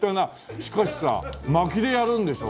しかしさ薪でやるんでしょ？